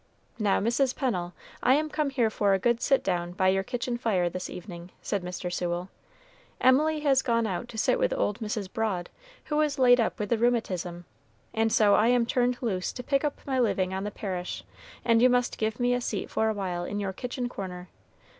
"Now, Mrs. Pennel, I am come here for a good sit down by your kitchen fire, this evening," said Mr. Sewell. "Emily has gone out to sit with old Mrs. Broad, who is laid up with the rheumatism, and so I am turned loose to pick up my living on the parish, and you must give me a seat for a while in your kitchen corner.